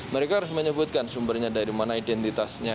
mereka harus menyebutkan sumbernya dari mana identitasnya